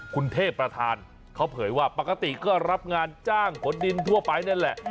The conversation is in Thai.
คุณเทพประธานเขาเผยว่าปกติก็รับงานจ้างขนดินทั่วไปนั่นแหละ